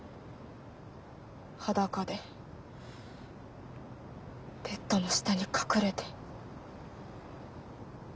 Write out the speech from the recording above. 裸でベッドの下に隠れて。